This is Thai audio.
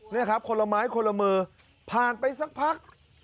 นี่ครับคนละไม้คนละมือผ่านไปสักพัก